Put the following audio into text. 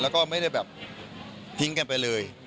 แล้วก็ไม่ได้แบบทิ้งกันไปเลย